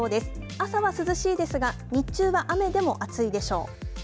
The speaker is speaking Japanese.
朝は涼しいですが日中は雨でも暑いでしょう。